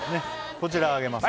こちらをあげます